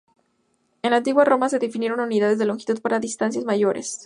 En la Antigua Roma se definieron unidades de longitud para distancias mayores.